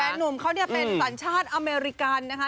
แฟนหนุ่มเขาเป็นฝรั่งชาติอเมริกันนะคะ